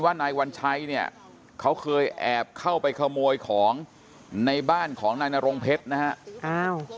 นายวัญชัยเนี่ยเขาเคยแอบเข้าไปขโมยของในบ้านของนายนรงเพชรนะฮะ